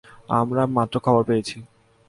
আমরা মাত্র খবর পেয়েছি।